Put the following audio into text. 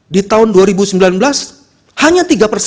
di tahun dua ribu sembilan belas hanya tiga persen